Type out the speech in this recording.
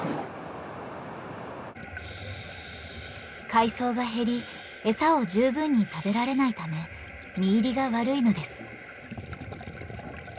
海藻が減り餌を十分に食べられないため身入りが悪いのです。